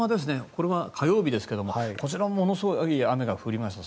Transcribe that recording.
これは火曜日ですがこちらもものすごい雨が降りました。